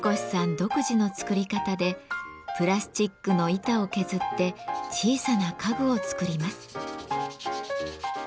独自の作り方でプラスチックの板を削って小さな家具を作ります。